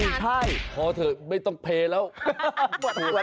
ใช่พอเถอะไม่ต้องเพลย์แล้ว